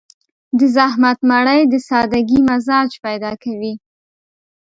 د زحمت مړۍ د سادهګي مزاج پيدا کوي.